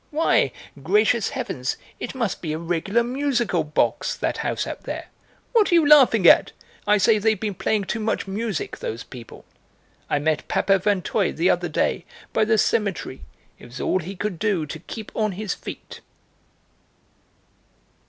Why, gracious heavens, it must be a regular musical box, that house out there! What are you laughing at? I say they've been playing too much music, those people. I met Papa Vinteuil the other day, by the cemetery. It was all he could do to keep on his feet."